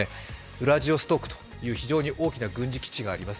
ウラジオストクという非常に大きな軍事基地があります。